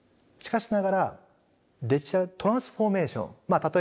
しかしながらデジタルトランスフォーメーションまあ